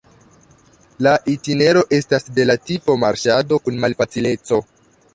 La itinero estas de la tipo marŝado kun malfacileco.